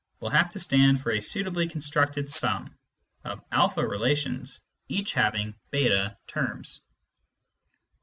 ]8 " will have to stand for a suitably constructed sum of a relations each having j8 terms.